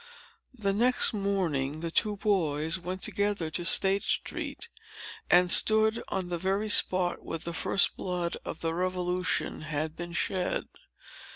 The next morning, the two boys went together to State Street, and stood on the very spot where the first blood of the Revolution had been shed.